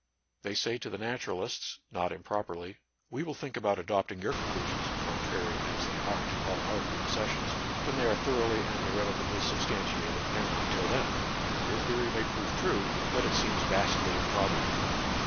They say to the naturalists, not improperly, we will think about adopting your conclusions, contrary as they are to all our prepossessions, when they are thoroughly and irrevocably sub stantiated, and not till then. Your theory may prove true, but it seems vastly improbable.